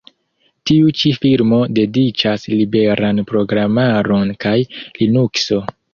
Tiu ĉi firmo dediĉas liberan programaron kaj Linukso.